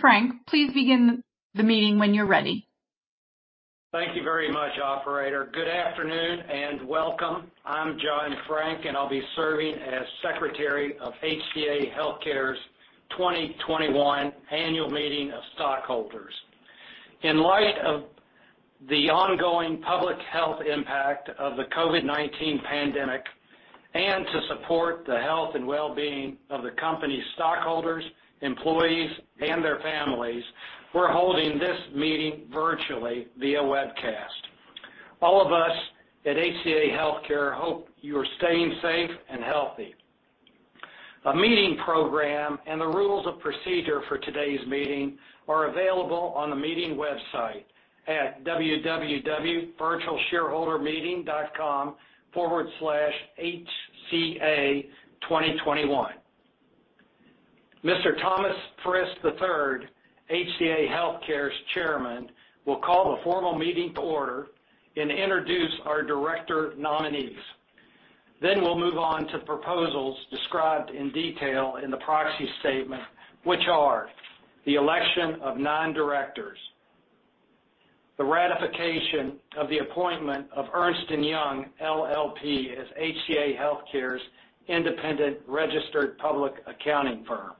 Mr. Franck, please begin the meeting when you're ready. Thank you very much, operator. Good afternoon, and welcome. I'm John M. Franck II, and I'll be serving as secretary of HCA Healthcare's 2021 Annual Meeting of Stockholders. In light of the ongoing public health impact of the COVID-19 pandemic, and to support the health and wellbeing of the company's stockholders, employees, and their families, we're holding this meeting virtually via webcast. All of us at HCA Healthcare hope you are staying safe and healthy. A meeting program and the rules of procedure for today's meeting are available on the meeting website at www.virtualshareholdermeeting.com/hca2021. Mr. Thomas F. Frist III, HCA Healthcare's chairman, will call the formal meeting to order and introduce our director nominees. We'll move on to proposals described in detail in the proxy statement, which are the election of nine directors, the ratification of the appointment of Ernst & Young LLP as HCA Healthcare's independent registered public accounting firm,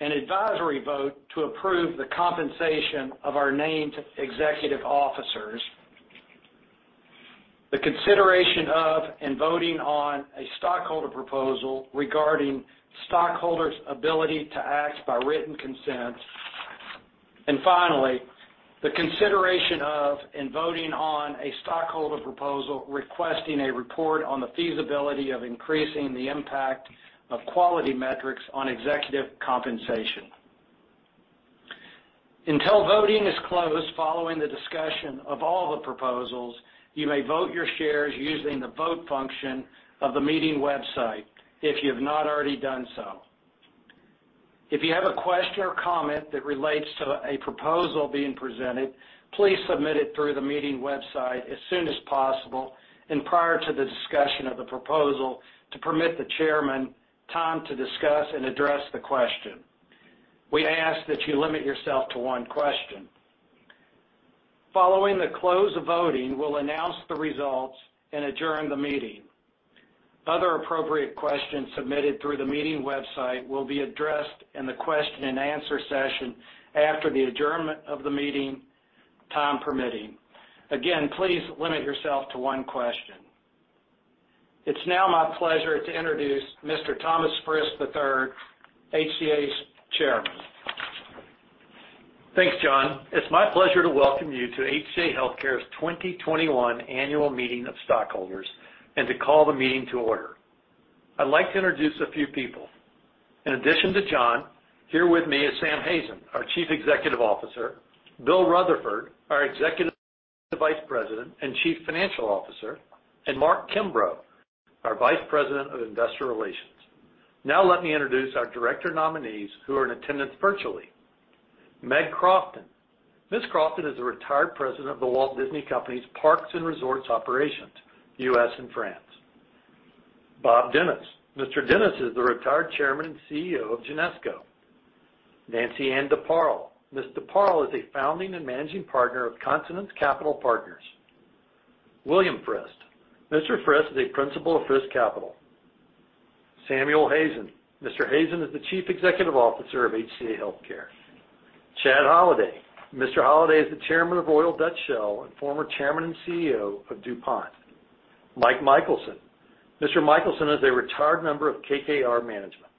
an advisory vote to approve the compensation of our named executive officers, the consideration of and voting on a stockholder proposal regarding stockholders' ability to act by written consent. Finally, the consideration of and voting on a stockholder proposal requesting a report on the feasibility of increasing the impact of quality metrics on executive compensation. Until voting is closed following the discussion of all the proposals, you may vote your shares using the vote function of the meeting website if you have not already done so. If you have a question or comment that relates to a proposal being presented, please submit it through the meeting website as soon as possible and prior to the discussion of the proposal to permit the Chairman time to discuss and address the question. We ask that you limit yourself to one question. Following the close of voting, we'll announce the results and adjourn the meeting. Other appropriate questions submitted through the meeting website will be addressed in the question and answer session after the adjournment of the meeting, time permitting. Again, please limit yourself to one question. It's now my pleasure to introduce Mr. Thomas F. Frist III, HCA's Chairman. Thanks, John. It's my pleasure to welcome you to HCA Healthcare's 2021 Annual Meeting of Stockholders and to call the meeting to order. I'd like to introduce a few people. In addition to John, here with me is Sam Hazen, our Chief Executive Officer, Bill Rutherford, our Executive Vice President and Chief Financial Officer, and Mark Kimbrough, our Vice President of Investor Relations. Let me introduce our director nominees who are in attendance virtually. Meg Crofton. Ms. Crofton is the retired president of The Walt Disney Company's Parks and Resorts operations, U.S. and France. Bob Dennis. Mr. Dennis is the retired chairman and CEO of Genesco. Nancy-Ann DeParle. Ms. DeParle is a founding and managing partner of Consonance Capital Partners. William Frist. Mr. Frist is a principal of Frist Capital. Samuel Hazen. Mr. Hazen is the Chief Executive Officer of HCA Healthcare. Chad Holliday. Mr. Holliday is the Chairman of Royal Dutch Shell and former Chairman and CEO of DuPont. Michael W. Michelson. Mr. Michelson is a retired member of KKR management.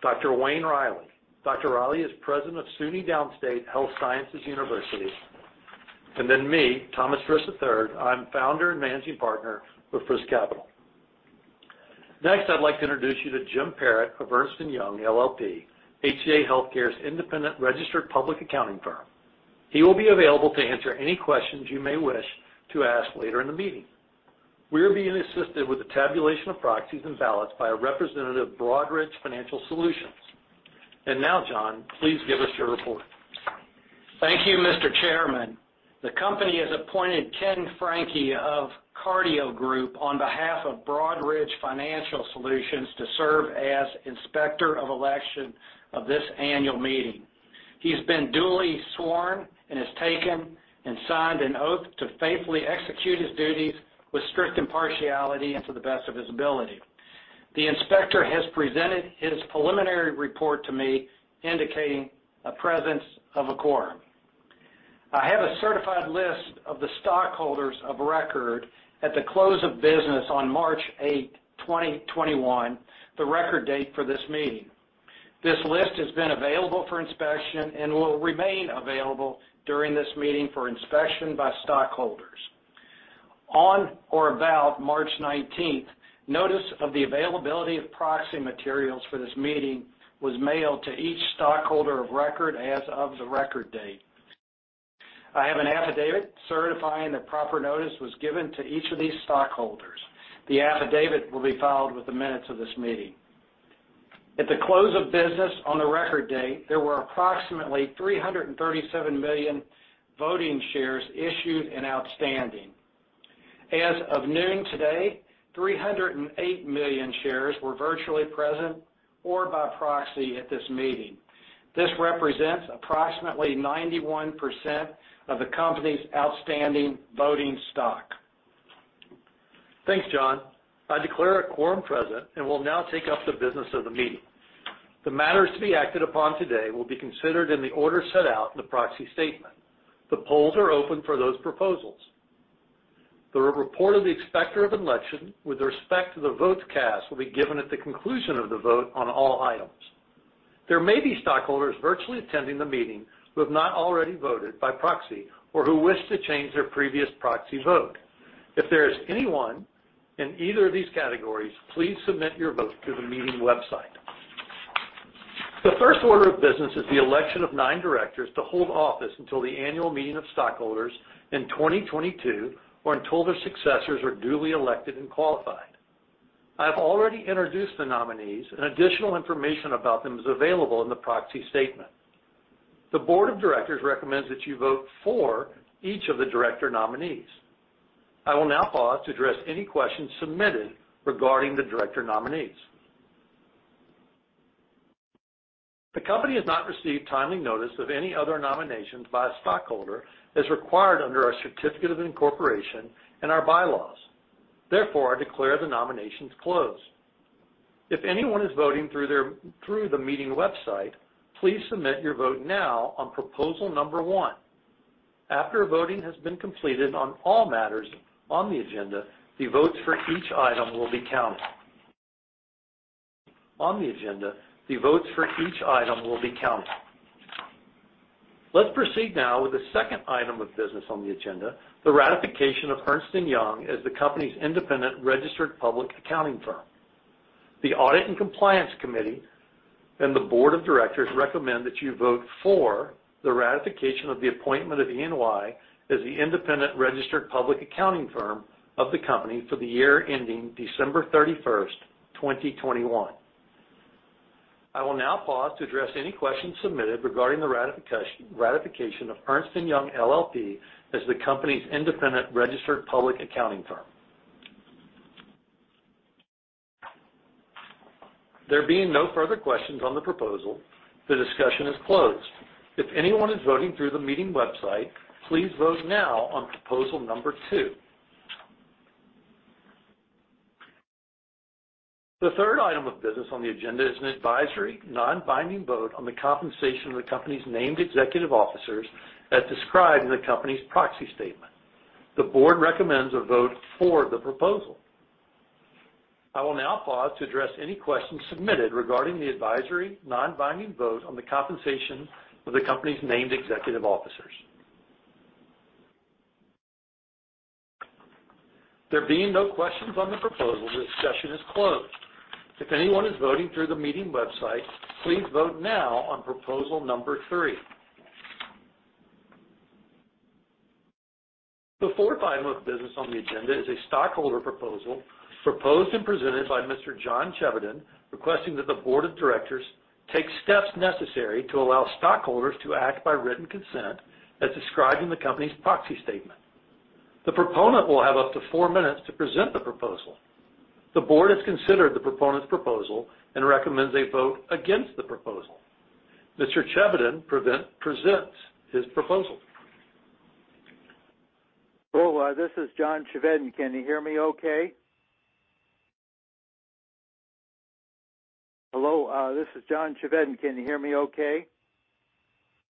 Dr. Wayne J. Riley. Dr. Wayne J. Riley is President of SUNY Downstate Health Sciences University. Then me, Thomas F. Frist III. I'm Founder and Managing Partner with Frist Capital. Next, I'd like to introduce you to Jim Parrott of Ernst & Young LLP, HCA Healthcare's independent registered public accounting firm. He will be available to answer any questions you may wish to ask later in the meeting. We are being assisted with the tabulation of proxies and ballots by a representative of Broadridge Financial Solutions. Now, John, please give us your report. Thank you, Mr. Chairman. The company has appointed Ken Franke of Carideo Group on behalf of Broadridge Financial Solutions to serve as inspector of election of this annual meeting. He's been duly sworn and has taken and signed an oath to faithfully execute his duties with strict impartiality and to the best of his ability. The inspector has presented his preliminary report to me indicating a presence of a quorum. I have a certified list of the stockholders of record at the close of business on March 8, 2021, the record date for this meeting. This list has been available for inspection and will remain available during this meeting for inspection by stockholders. On or about March 19th, notice of the availability of proxy materials for this meeting was mailed to each stockholder of record as of the record date. I have an affidavit certifying that proper notice was given to each of these stockholders. The affidavit will be filed with the minutes of this meeting. At the close of business on the record date, there were approximately 337 million voting shares issued and outstanding. As of noon today, 308 million shares were virtually present or by proxy at this meeting. This represents approximately 91% of the company's outstanding voting stock. Thanks, John. I declare a quorum present, and will now take up the business of the meeting. The matters to be acted upon today will be considered in the order set out in the proxy statement. The polls are open for those proposals. The report of the inspector of election with respect to the votes cast will be given at the conclusion of the vote on all items. There may be stockholders virtually attending the meeting who have not already voted by proxy or who wish to change their previous proxy vote. If there is anyone in either of these categories, please submit your vote through the meeting website. The first order of business is the election of nine directors to hold office until the annual meeting of stockholders in 2022, or until their successors are duly elected and qualified. I have already introduced the nominees, and additional information about them is available in the proxy statement. The board of directors recommends that you vote for each of the director nominees. I will now pause to address any questions submitted regarding the director nominees. The company has not received timely notice of any other nominations by a stockholder as required under our certificate of incorporation and our bylaws. Therefore, I declare the nominations closed. If anyone is voting through the meeting website, please submit your vote now on proposal number one. After voting has been completed on all matters on the agenda, the votes for each item will be counted. Let's proceed now with the second item of business on the agenda, the ratification of Ernst & Young as the company's independent registered public accounting firm. The Audit and Compliance Committee and the Board of Directors recommend that you vote for the ratification of the appointment of E&Y as the independent registered public accounting firm of the company for the year ending December 31st, 2021. I will now pause to address any questions submitted regarding the ratification of Ernst & Young LLP as the company's independent registered public accounting firm. There being no further questions on the proposal, the discussion is closed. If anyone is voting through the meeting website, please vote now on proposal number two. The third item of business on the agenda is an advisory, non-binding vote on the compensation of the company's named executive officers as described in the company's proxy statement. The Board recommends a vote for the proposal. I will now pause to address any questions submitted regarding the advisory, non-binding vote on the compensation of the company's named executive officers. There being no questions on the proposal, this session is closed. If anyone is voting through the meeting website, please vote now on proposal number three. The fourth item of business on the agenda is a stockholder proposal proposed and presented by Mr. John Chevedden, requesting that the board of directors take steps necessary to allow stockholders to act by written consent as described in the company's proxy statement. The proponent will have up to four minutes to present the proposal. The board has considered the proponent's proposal and recommends a vote against the proposal. Mr. Chevedden present his proposal. Hello, this is John Chevedden. Can you hear me okay?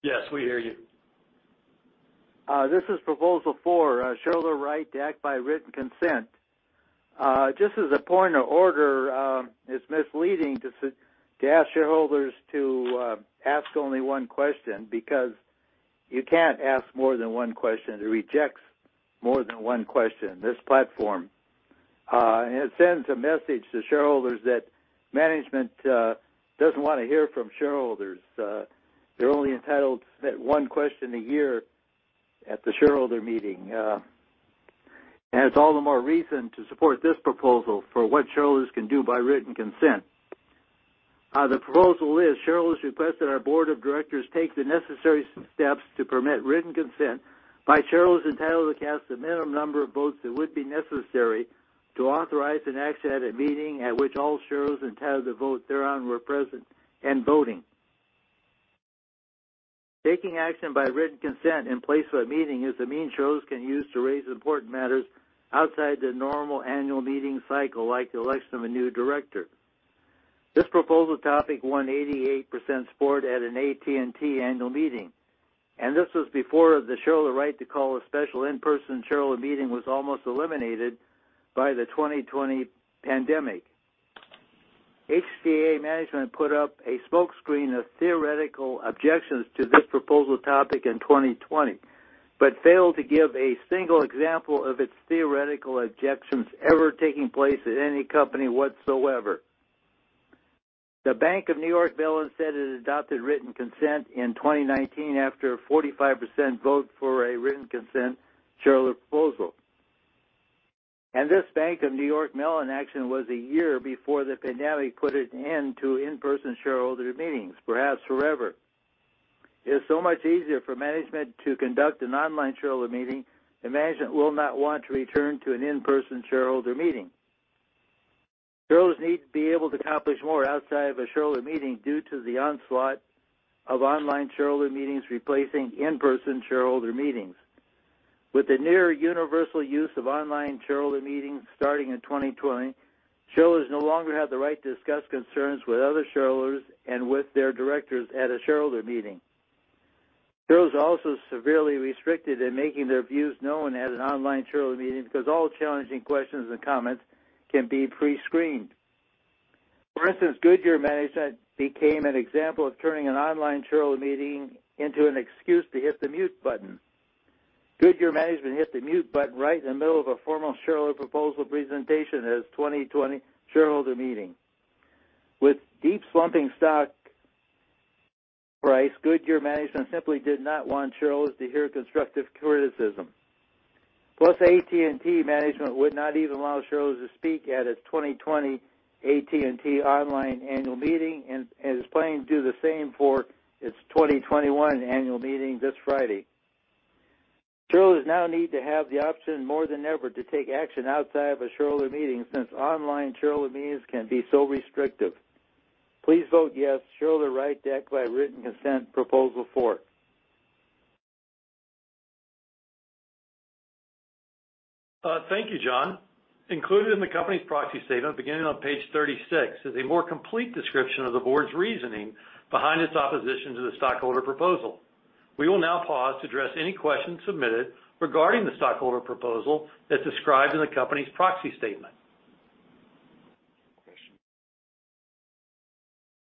Yes, we hear you. This is proposal four, shareholder right to act by written consent. Just as a point of order, it's misleading to ask shareholders to ask only one question because you can't ask more than one question. It rejects more than one question, this platform. It sends a message to shareholders that management doesn't want to hear from shareholders. They're only entitled to submit one question a year at the shareholder meeting. It's all the more reason to support this proposal for what shareholders can do by written consent. The proposal is, shareholders request that our board of directors take the necessary steps to permit written consent by shareholders entitled to cast the minimum number of votes that would be necessary to authorize and act at a meeting at which all shareholders entitled to vote thereon were present and voting. Taking action by written consent in place of a meeting is a means shareholders can use to raise important matters outside the normal annual meeting cycle, like the election of a new director. This proposal topic won 88% support at an AT&T annual meeting. This was before the shareholder right to call a special in-person shareholder meeting was almost eliminated by the 2020 pandemic. HCA management put up a smokescreen of theoretical objections to this proposal topic in 2020, failed to give a single example of its theoretical objections ever taking place at any company whatsoever. The Bank of New York Mellon said it adopted written consent in 2019 after a 45% vote for a written consent shareholder proposal. This Bank of New York Mellon action was a year before the pandemic put an end to in-person shareholder meetings, perhaps forever. It is so much easier for management to conduct an online shareholder meeting, and management will not want to return to an in-person shareholder meeting. Shareholders need to be able to accomplish more outside of a shareholder meeting due to the onslaught of online shareholder meetings replacing in-person shareholder meetings. With the near universal use of online shareholder meetings starting in 2020, shareholders no longer have the right to discuss concerns with other shareholders and with their directors at a shareholder meeting. Shareholders are also severely restricted in making their views known at an online shareholder meeting because all challenging questions and comments can be pre-screened. For instance, Goodyear management became an example of turning an online shareholder meeting into an excuse to hit the mute button. Goodyear management hit the mute button right in the middle of a formal shareholder proposal presentation at its 2020 shareholder meeting. With deep slumping stock price, Goodyear management simply did not want shareholders to hear constructive criticism. AT&T management would not even allow shareholders to speak at its 2020 AT&T online annual meeting and is planning to do the same for its 2021 annual meeting this Friday. Shareholders now need to have the option more than ever to take action outside of a shareholder meeting, since online shareholder meetings can be so restrictive. Please vote yes, shareholder right to act by written consent, proposal four. Thank you, John. Included in the company's proxy statement, beginning on page 36, is a more complete description of the board's reasoning behind its opposition to the stockholder proposal. We will now pause to address any questions submitted regarding the stockholder proposal as described in the company's proxy statement.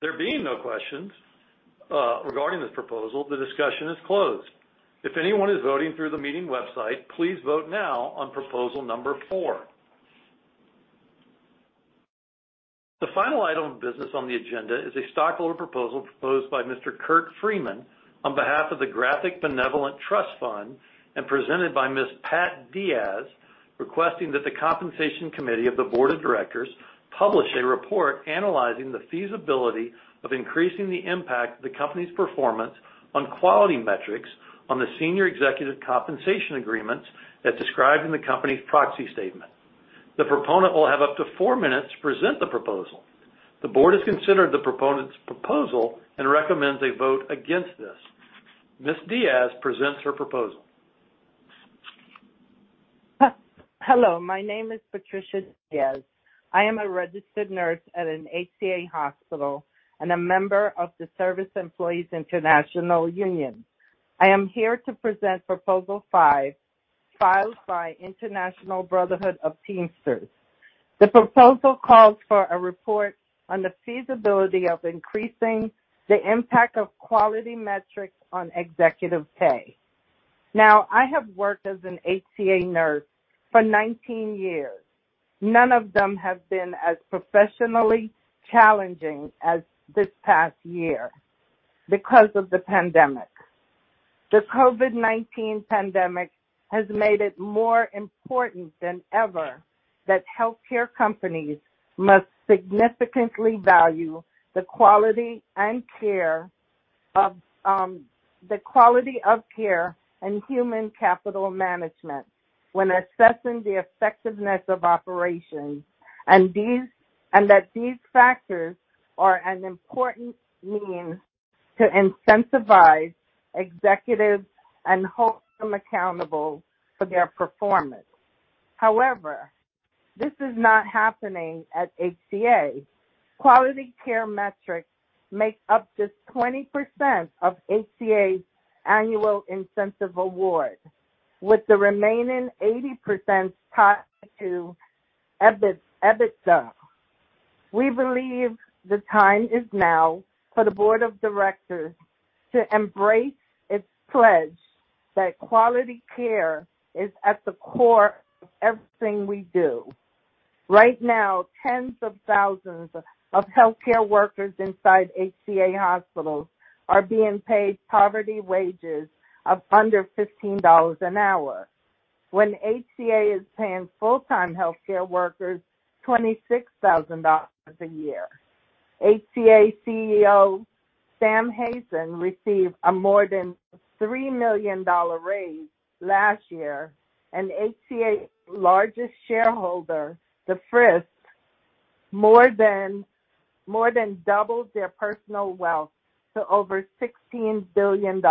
There being no questions regarding this proposal, the discussion is closed. If anyone is voting through the meeting website, please vote now on proposal number four. The final item of business on the agenda is a stockholder proposal proposed by Mr. Kurt Freeman on behalf of the Graphic Communications Benevolent Trust Fund and presented by Ms. Pat Diaz, requesting that the Compensation Committee of the Board of Directors publish a report analyzing the feasibility of increasing the impact of the company's performance on quality metrics on the senior executive compensation agreements as described in the company's proxy statement. The proponent will have up to four minutes to present the proposal. The board has considered the proponent's proposal and recommends a vote against this. Ms. Diaz presents her proposal. Hello, my name is Patricia Diaz. I am a registered nurse at an HCA hospital and a member of the Service Employees International Union. I am here to present Proposal five, filed by International Brotherhood of Teamsters. The proposal calls for a report on the feasibility of increasing the impact of quality metrics on executive pay. I have worked as an HCA nurse for 19 years. None of them have been as professionally challenging as this past year because of the pandemic. The COVID-19 pandemic has made it more important than ever that healthcare companies must significantly value the quality of care and human capital management when assessing the effectiveness of operations, and that these factors are an important means to incentivize executives and hold them accountable for their performance. This is not happening at HCA. Quality care metrics make up just 20% of HCA's annual incentive award, with the remaining 80% tied to EBITDA. We believe the time is now for the board of directors to embrace its pledge that quality care is at the core of everything we do. Right now, tens of thousands of healthcare workers inside HCA hospitals are being paid poverty wages of under $15 an hour when HCA is paying full-time healthcare workers $26,000 a year. HCA CEO, Sam Hazen, received a more than $3 million raise last year, and HCA largest shareholder, the Frists, more than doubled their personal wealth to over $16 billion.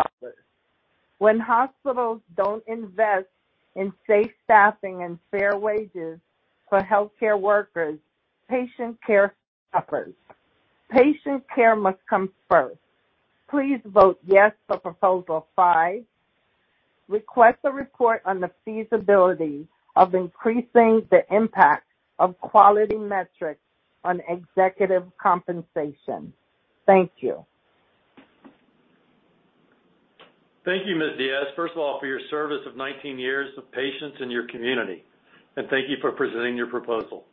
When hospitals don't invest in safe staffing and fair wages for healthcare workers, patient care suffers. Patient care must come first. Please vote yes for Proposal five. Request a report on the feasibility of increasing the impact of quality metrics on executive compensation. Thank you. Thank you, Ms. Diaz, first of all, for your service of 19 years of patients in your community, and thank you for presenting your proposal.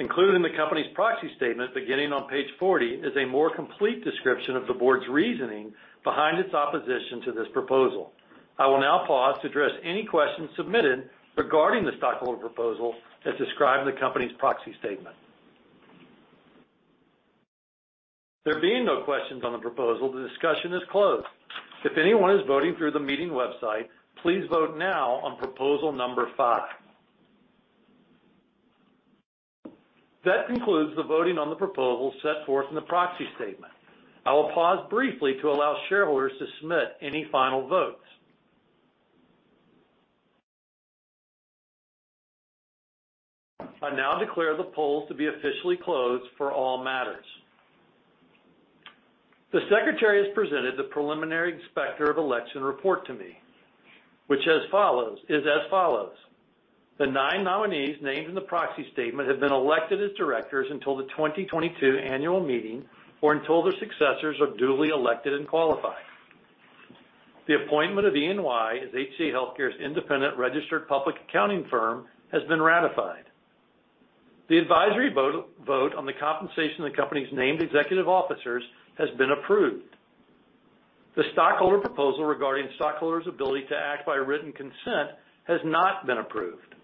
Included in the company's proxy statement beginning on page 40 is a more complete description of the board's reasoning behind its opposition to this proposal. I will now pause to address any questions submitted regarding the stockholder proposal as described in the company's proxy statement. There being no questions on the proposal, the discussion is closed. If anyone is voting through the meeting website, please vote now on proposal number five. That concludes the voting on the proposal set forth in the proxy statement. I will pause briefly to allow shareholders to submit any final votes. I now declare the polls to be officially closed for all matters. The secretary has presented the preliminary Inspector of Election report to me, which is as follows. The nine nominees named in the proxy statement have been elected as directors until the 2022 annual meeting, or until their successors are duly elected and qualified. The appointment of E&Y as HCA Healthcare's independent registered public accounting firm has been ratified. The advisory vote on the compensation of the company's named executive officers has been approved. The stockholder proposal regarding stockholder's ability to act by written consent has not been approved.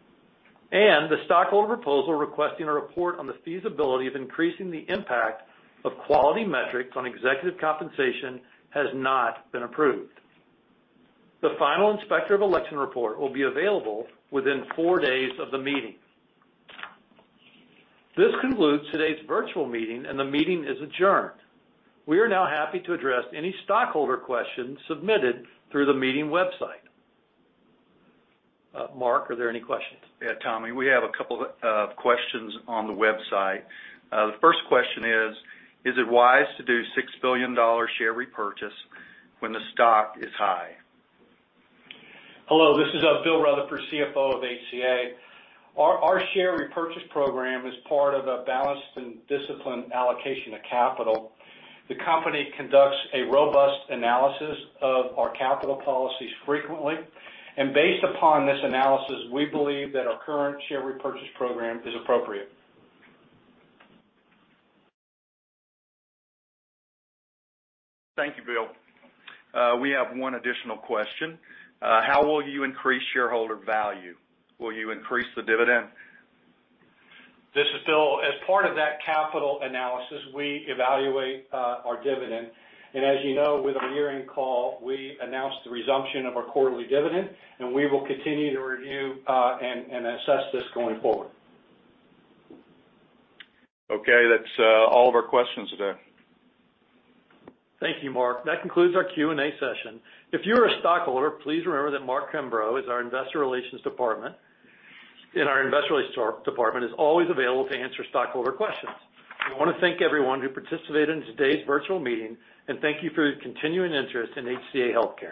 The stockholder proposal requesting a report on the feasibility of increasing the impact of quality metrics on executive compensation has not been approved. The final Inspector of Elections report will be available within four days of the meeting. This concludes today's virtual meeting, and the meeting is adjourned. We are now happy to address any stockholder questions submitted through the meeting website. Mark, are there any questions? Tom, we have a couple of questions on the website. The first question is: Is it wise to do $6 billion share repurchase when the stock is high? Hello, this is Bill Rutherford, CFO of HCA. Our share repurchase program is part of a balanced and disciplined allocation of capital. The company conducts a robust analysis of our capital policies frequently, and based upon this analysis, we believe that our current share repurchase program is appropriate. Thank you, Bill. We have one additional question. How will you increase shareholder value? Will you increase the dividend? This is Bill. As part of that capital analysis, we evaluate our dividend. As you know, with our year-end call, we announced the resumption of our quarterly dividend, and we will continue to review and assess this going forward. Okay, that's all of our questions today. Thank you, Mark. That concludes our Q&A session. If you are a stockholder, please remember that Mark Kimbrough in our investor relations department is always available to answer stockholder questions. We want to thank everyone who participated in today's virtual meeting, and thank you for your continuing interest in HCA Healthcare.